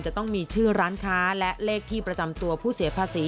จะต้องมีชื่อร้านค้าและเลขที่ประจำตัวผู้เสียภาษี